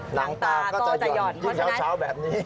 หนังตาก็จะหย่อนหนังตาก็จะหย่อนยิ่งเช้าแบบนี้